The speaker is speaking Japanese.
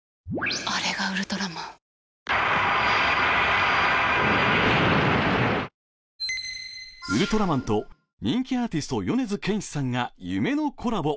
ウルトラマンと人気アーティスト、米津玄師さんが夢のコラボ。